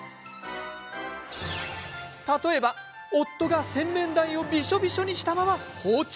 例えば、夫が洗面台をびしょびしょにしたまま放置。